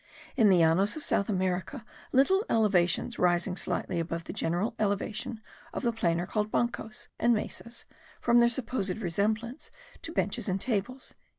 In the Llanos of South America little elevations rising slightly above the general elevation of the plain are called bancos and mesas from their supposed resemblance to benches and tables.)